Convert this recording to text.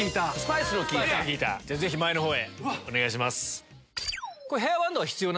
前の方へお願いします。